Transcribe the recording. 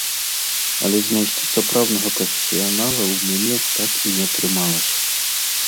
Але знайсці сапраўднага прафесіянала ў мяне так і не атрымалася.